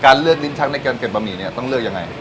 เลือกลิ้นชักในการเก็บบะหมี่เนี่ยต้องเลือกยังไง